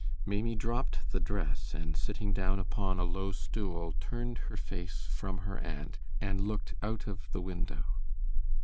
Maimie dropped the dress, and sitting down upon a low stool, turned her face from her aunt, and looked out of the window.